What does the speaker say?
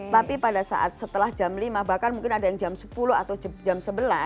tapi pada saat setelah jam lima bahkan mungkin ada yang jam sepuluh atau jam sebelas